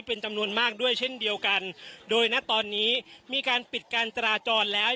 เป็นจำนวนมากด้วยเช่นเดียวกันโดยณตอนนี้มีการปิดการจราจรแล้ว